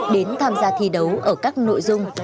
đến tham gia thi đấu ở các nội dung